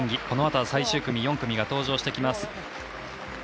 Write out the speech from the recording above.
このあとは最終組４組が登場してきます。